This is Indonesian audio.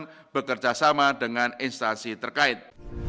dan bekerja sama dengan instansi terkait